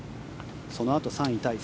そのあと３位タイ